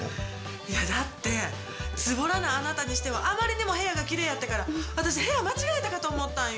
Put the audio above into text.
いや、だって、ずぼらなあなたにしては、あまりにも部屋がきれいやったから、私、部屋間違えたかと思ったんよ。